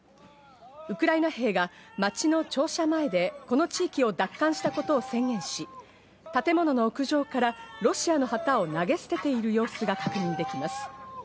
ウクライナ兵が町の庁舎前でこの地域を奪還したことを宣言し、建物の屋上からロシアの旗を投げ捨てている様子が確認できます。